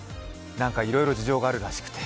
いろいろ事情があるらしくて。